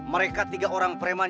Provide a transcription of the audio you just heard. mereka tiga orang preman